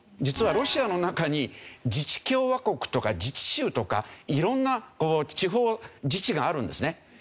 実はロシアの中に自治共和国とか自治州とか色んな地方自治があるんですね。